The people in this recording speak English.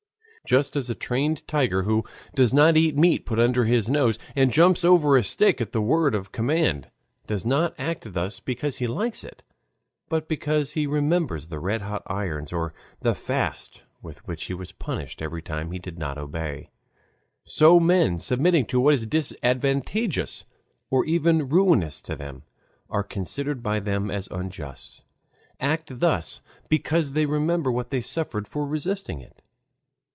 Just as a trained tiger, who does not eat meat put under his nose, and jumps over a stick at the word of command, does not act thus because he likes it, but because he remembers the red hot irons or the fast with which he was punished every time he did not obey; so men submitting to what is disadvantageous or even ruinous to them, and considered by them as unjust, act thus because they remember what they suffered for resisting it.